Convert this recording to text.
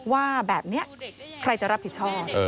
ว่าแบบนี้ใครจะรับผิดชอบ